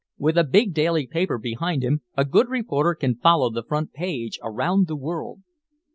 With a big daily paper behind him a good reporter can follow the front page around the world.